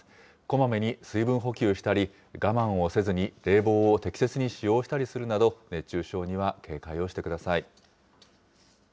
こまめに水分補給したり、我慢をせずに冷房を適切に使用したりするなど、熱中症には警戒をしてください。